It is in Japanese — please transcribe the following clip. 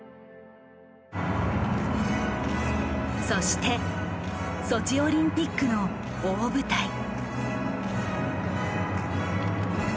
そしてソチオリンピックの大舞台。